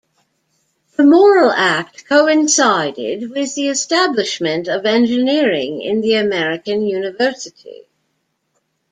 The Morrill Act coincided with the establishment of engineering in the American university.